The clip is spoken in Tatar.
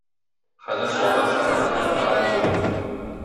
Хәзер солдат чакырып аттырам үзеңне.